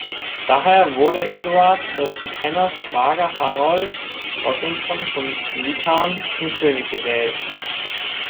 Daher wurde Eduards des Bekenners Schwager Harold Godwinson vom Witan zum König gewählt.